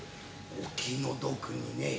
お気の毒にね